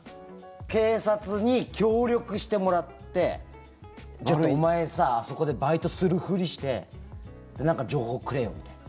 警察に協力してもらってちょっと、お前さあそこでバイトするふりして何か情報くれよみたいな。